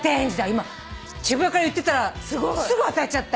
今渋谷から言ってったらすぐ当たっちゃった。